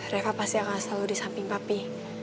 reva pasti akan selalu di samping papi